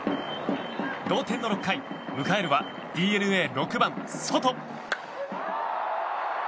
同点の６回、迎えるはＤｅＮＡ、６番、ソト。